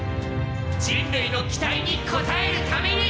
人類の期待に応えるために！